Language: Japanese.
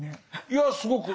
いやすごく。